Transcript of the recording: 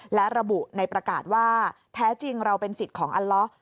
และระบุในประกาศว่าแท้จริงเราเป็นสิทธิ์ของอัลล้อ